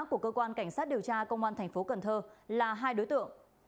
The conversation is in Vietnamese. của cơ quan cảnh sát điều tra công an thành phố cần thơ là hai đối tượng